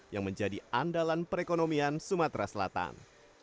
yang menjadi andalan perekonomian sumatera selatan